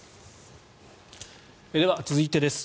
では、続いてです。